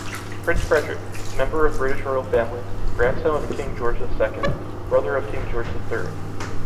Prince Frederick, member of British Royal Family, Grandson of King George II, brother of King George III.